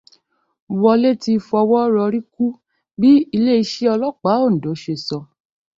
Wọlé ti fọwọ́ rọrí kú bí Ilé iṣẹ́ ọlọ́pàá Oǹdó ṣe sọ.